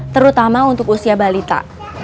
terutama untuk usia balita